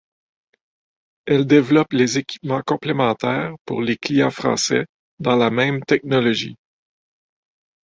Elle développe les équipements complémentaires pour les clients français dans la même technologie.